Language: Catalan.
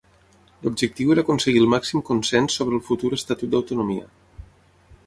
L'objectiu era aconseguir el màxim consens sobre el futur Estatut d'autonomia.